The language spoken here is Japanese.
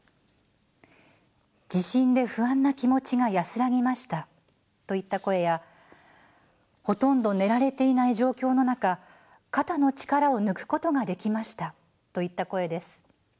「地震で不安な気持ちが安らぎました」といった声や「ほとんど寝られていない状況の中肩の力を抜くことができました」といった声です。